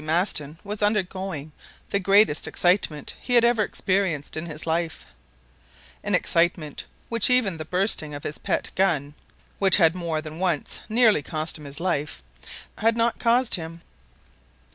Maston was undergoing the greatest excitement he had ever experienced in his life, an excitement which even the bursting of his pet gun, which had more than once nearly cost him his life, had not caused him.